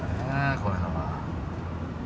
こういうのが。